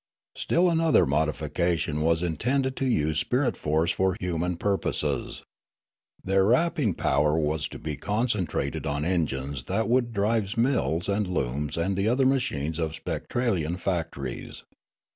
Still another modification was intended to use spirit force for human purposes ; their rapping power was to be concentrated on engines that would drives mills and looms and the other machines of Spectralian factories.